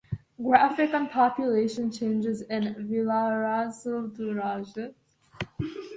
Graphic on population changes in Villarzel-du-Razes.